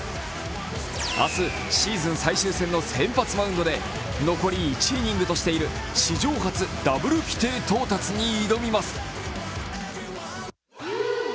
明日、シーズン最終戦の先発マウンドで残り１イニングとしている史上初ダブル規定到達に挑みます。